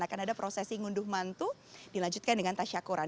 akan ada prosesi ngunduh mantu dilanjutkan dengan tasya kuran